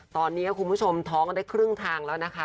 ตอนนี้คุณผู้ชมท้องได้ครึ่งทางแล้วนะคะ